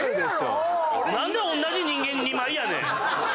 何でおんなじ人間に２枚やねん！